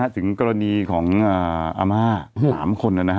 ถึงกรณีของอาม่า๓คนนะครับ